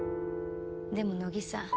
でも乃木さん